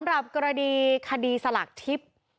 สำหรับกรณีคดีสลักทิพย์